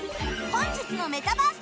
本日の「メタバースＴＶ！！」